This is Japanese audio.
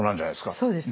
そうですね。